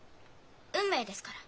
運命ですから。